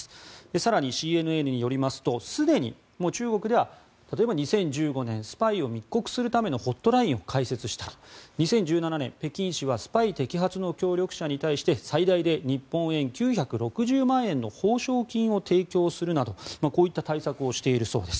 更にＣＮＮによりますとすでに中国では例えば、２０１５年スパイを密告するためのホットラインを開設した２０１７年、北京市はスパイ摘発の協力者に対して最大で日本円で９６０万円の報奨金を提供するなどこういった対策をしているそうです。